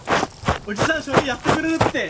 叔父さん書類やってくれるって！